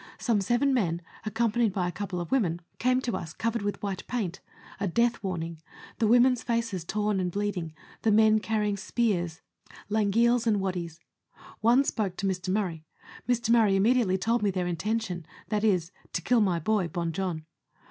Some seven men, accompanied by a couple of women, came to us, covered with white paint a death warning, the women's faces torn and bleeding, the men carrying spears, langeels, and waddies. One spoke to Mr. Murray. Mr. Murray immediately told me their intention, viz., " to kill my boy, Bon Jon."